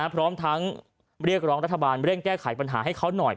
พร้อมทั้งเรียกร้องรัฐบาลเร่งแก้ไขปัญหาให้เขาหน่อย